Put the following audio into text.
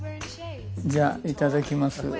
じゃあいただきます。